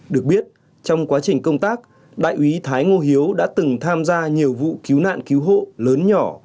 được biết trong quá trình công tác đại úy thái ngô hiếu đã từng tham gia nhiều vụ cứu nạn cứu hộ lớn nhỏ